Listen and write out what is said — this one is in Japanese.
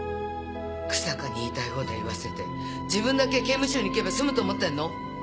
日下に言いたい放題言わせて自分だけ刑務所に行けば済むと思ってるの？